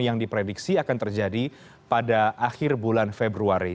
yang diprediksi akan terjadi pada akhir bulan februari